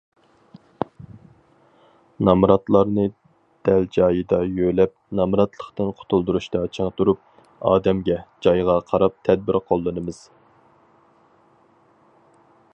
نامراتلارنى دەل جايىدا يۆلەپ، نامراتلىقتىن قۇتۇلدۇرۇشتا چىڭ تۇرۇپ، ئادەمگە، جايغا قاراپ تەدبىر قوللىنىمىز.